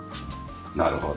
なるほど。